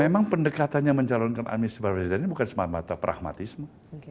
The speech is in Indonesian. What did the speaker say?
memang pendekatannya mencalonkan anies baswedan ini bukan semata pragmatisme